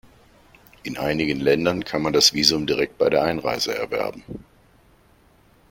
In einigen Ländern kann man das Visum direkt bei der Einreise erwerben.